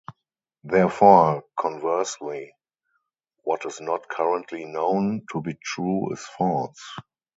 Therefore, conversely, what is not currently known to be true, is false.